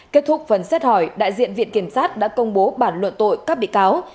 kết thúc phần xét hỏi đại diện viện kiểm sát đã công bố bản luận tội các bị cáo